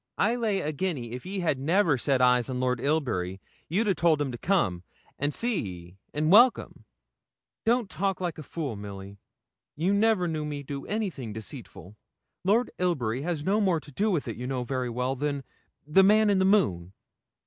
I lay a guinea if ye had never set eyes on Lord Ilbury you'd a told him to come, and see ye, an' welcome.' 'Don't talk like a fool, Milly. You never knew me do anything deceitful. Lord Ilbury has no more to do with it, you know very well, than the man in the moon.'